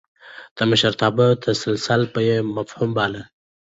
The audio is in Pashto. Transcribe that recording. د مشرتابه تسلسل يې مهم باله.